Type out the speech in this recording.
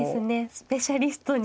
スペシャリストに。